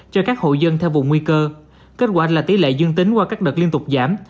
cho các hộ dân theo vùng nguy cơ kết quả là tỷ lệ dương tính qua các đợt liên tục giảm